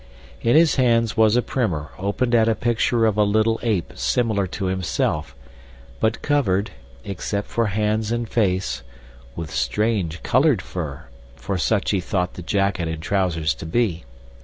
In his hands was a primer opened at a picture of a little ape similar to himself, but covered, except for hands and face, with strange, colored fur, for such he thought the jacket and trousers to be.